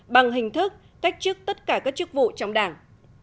bằng hình thức cách chức tất cả các chức vụ trong đảng